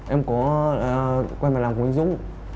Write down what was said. em có quay mặt làm cùng anh dũng